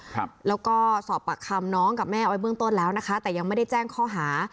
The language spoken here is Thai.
ครับแล้วก็สอบปากคำน้องกับแม่ไว้เบื้องต้นแล้วนะคะแต่ยังไม่ได้แจ้งข้อหา